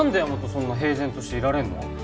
そんな平然としていられんの？